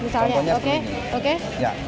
contohnya seperti ini